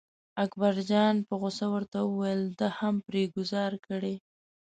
اکبرجان په غوسه ورته وویل ده هم پرې ګوزار کړی.